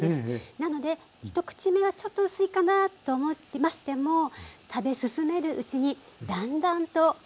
なので一口目はちょっと薄いかなと思いましても食べ進めるうちにだんだんとちょうどいい味になってきます。